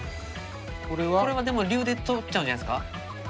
これはでも竜で取っちゃうんじゃないですか？